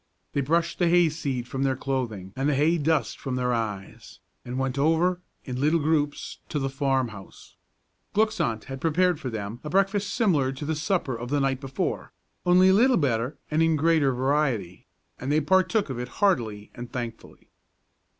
They brushed the hay seed from their clothing and the hay dust from their eyes, and went over, in little groups, to the farm house. Glück's aunt had prepared for them a breakfast similar to the supper of the night before, only a little better and in greater variety, and they partook of it heartily and thankfully.